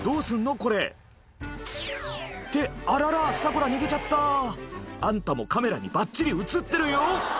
これってあららすたこら逃げちゃったあんたもカメラにばっちり映ってるよ